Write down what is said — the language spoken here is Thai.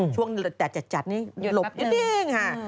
ช่วงเจ็ดเนี่ยหลบยืดดิ๊งครับ